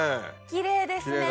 きれいですね。